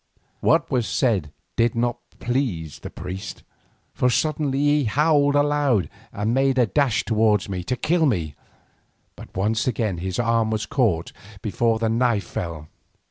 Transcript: What was said did not please the priest, for suddenly he howled aloud and made a dash towards me to kill me, but again his arm was caught before the knife fell.